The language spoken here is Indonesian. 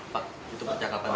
pak itu percakapan anda